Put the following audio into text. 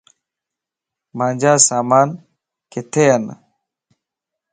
مانجا سامان ڪٿي ين؟